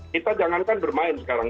kita jangankan bermain sekarang